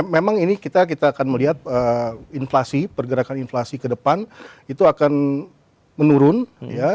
memang ini kita akan melihat inflasi pergerakan inflasi ke depan itu akan menurun ya